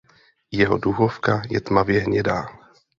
Jeho duhovka je tmavě hnědá.